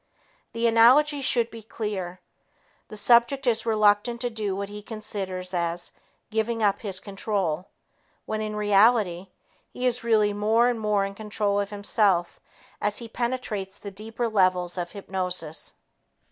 The analogy should be clear. The subject is reluctant to do what he considers as "giving up his control" when, in reality, he is really more and more in control of himself as he penetrates the deeper levels of hypnosis.